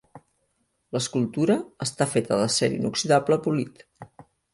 L'escultura està feta d'acer inoxidable polit.